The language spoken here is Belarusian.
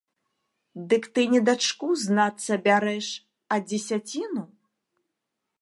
Дык ты не дачку, знацца, бярэш, а дзесяціну?